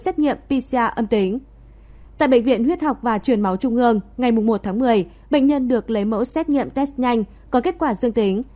tại bệnh viện huyết học và truyền máu trung ương ngày một tháng một mươi bệnh nhân được lấy mẫu xét nghiệm test nhanh có kết quả dương tính